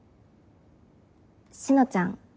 志乃ちゃん